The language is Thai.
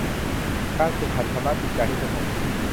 การฝึกหัดชำระจิตใจให้สงบ